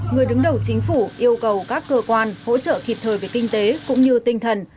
người đứng đầu chính phủ yêu cầu các cơ quan hỗ trợ kịp thời về kinh tế cũng như tinh thần